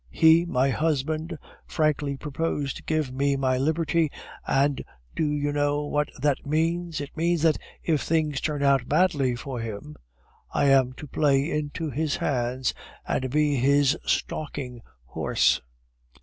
He, my husband, frankly proposed to give me my liberty, and do you know what that means? It means that if things turn out badly for him, I am to play into his hands, and be his stalking horse."